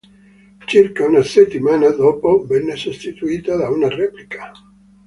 Circa una settimana dopo venne sostituita da una replica.